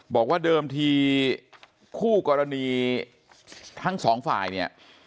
บอกว่าเดิมทีคู่กรณีทั้งสองฝ่ายเนี่ย